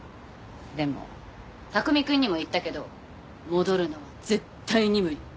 でも拓海くんにも言ったけど戻るのは絶対に無理。